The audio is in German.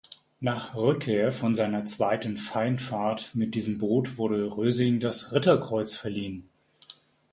Nach Rückkehr von seiner zweiten Feindfahrt mit diesem Boot wurde Rösing das Ritterkreuz verliehen.